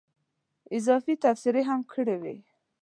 اضافي تبصرې هم کړې وې.